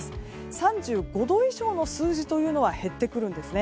３５度以上の数字というのは減ってくるんですね。